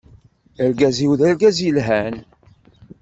Argaz-iw d argaz yelhan.